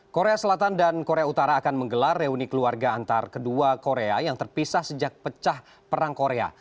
korea selatan dan korea utara akan menggelar reuni keluarga antar kedua korea yang terpisah sejak pecah perang korea